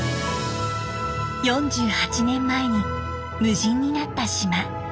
４８年前に無人になった島。